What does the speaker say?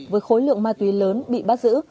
với khối lượng ma túy lớn bị bắt giữ